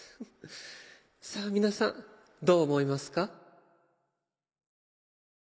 さあ皆さんどう思いますか？